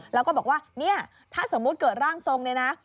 แล้วก็บอกว่าเนี่ยถ้าสมมุติเกิดร่างทรงเนี่ยนะ